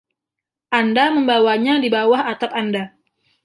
Anda membawanya di bawah atap Anda.